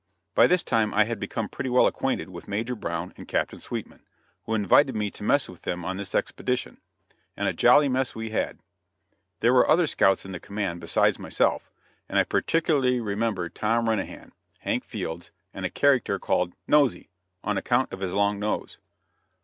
By this time I had become pretty well acquainted with Major Brown and Captain Sweetman, who invited me to mess with them on this expedition; and a jolly mess we had. There were other scouts in the command besides myself, and I particularly remember Tom Renahan, Hank Fields and a character called "Nosey" on account of his long nose.